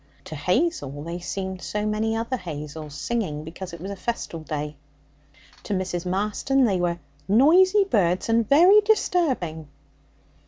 To Hazel, they seemed so many other Hazels singing because it was a festal day. To Mrs. Marston they were 'noisy birds, and very disturbing.'